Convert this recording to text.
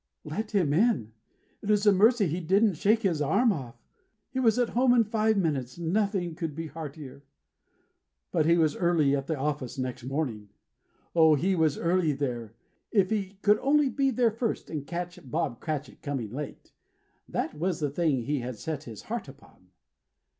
Let him in! It is a mercy he didn't shake his arm off. He was at home in five minutes. Nothing could be heartier. But he was early at the office next morning. Oh, he was early there. If he could only be there first, and catch Bob Cratchit coming late! That was the thing he had set his heart upon.